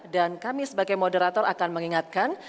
dan kami sebagai moderator akan mengingatkan